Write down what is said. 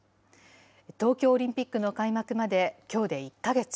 東京オリンピックの開幕まできょうで１か月。